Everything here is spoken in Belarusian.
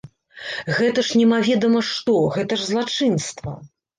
Гэта ж немаведама што, гэта ж злачынства!